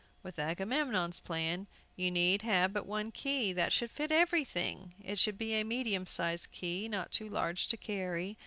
With Agamemnon's plan you need have but one key, that should fit everything! It should be a medium sized key, not too large to carry.